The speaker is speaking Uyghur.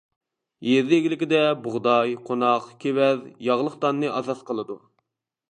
يېزا ئىگىلىكىدە بۇغداي، قوناق، كېۋەز، ياغلىق داننى ئاساس قىلىدۇ.